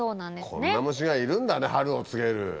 こんな虫がいるんだね春を告げる。